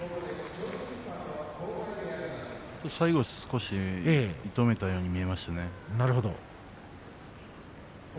最後、少し伸びたように見えましたね。